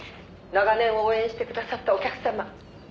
「長年応援してくださったお客様